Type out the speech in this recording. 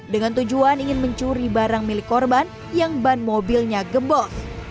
dengan tujuan ingin mencuri barang milik korban yang ban mobilnya gembos